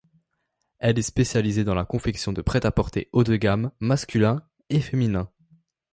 Elle est spécialisée dans la confection de prêt-à-porter haut de gamme masculin et féminin.